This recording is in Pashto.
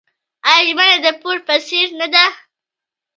آیا ژمنه د پور په څیر نه ده؟